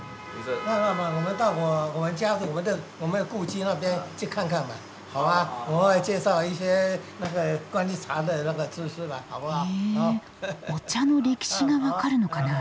へえお茶の歴史が分かるのかなあ。